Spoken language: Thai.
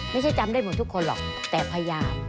จำได้หมดทุกคนหรอกแต่พยายาม